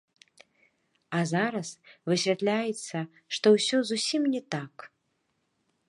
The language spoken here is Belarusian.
А зараз высвятляецца, што ўсё зусім не так.